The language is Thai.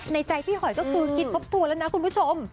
ในใจพี่หอยก็คือคิดทบทวนแล้วนะคุณผู้ชม